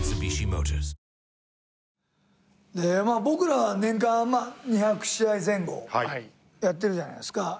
僕らは年間２００試合前後やってるじゃないですか。